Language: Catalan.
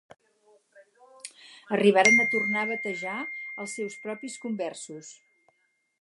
Arribaren a tornar a batejar els seus propis conversos.